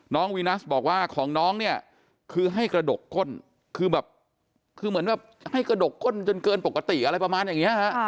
น้องวินัสบอกว่าของน้องคือให้กระดกก้นคือเหมือนแบบให้กระดกก้นจนเกินปกติอะไรประมาณอย่างนี้ฮะ